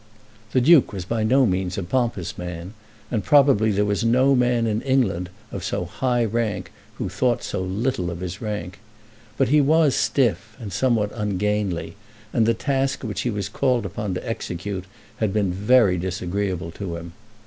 The Duke was by no means a pompous man, and probably there was no man in England of so high rank who thought so little of his rank. But he was stiff and somewhat ungainly, and the task which he was called upon to execute had been very disagreeable to him.